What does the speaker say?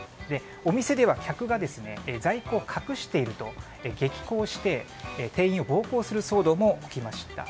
お店では客が在庫を隠していると激高している店員を暴行する騒動も起きました。